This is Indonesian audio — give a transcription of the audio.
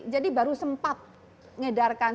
jadi baru sempat mengedarkan